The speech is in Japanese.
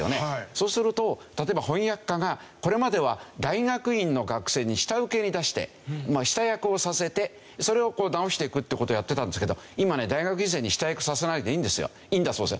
そうすると例えば翻訳家がこれまでは大学院の学生に下請けに出して下訳をさせてそれを直していくって事をやってたんですけど今ね大学院生に下訳させないでいいんだそうですよ。